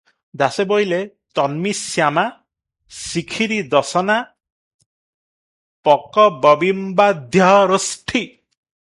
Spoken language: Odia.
ଦାସେ ବୋଇଲେ --"ତନ୍ମୀ ଶ୍ୟାମା ଶିଖିରିଦଶନା ପକବବିମ୍ବାଧ୍ୟରୋଷ୍ଠୀ ।"